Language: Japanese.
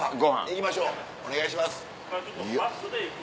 行きましょうお願いします。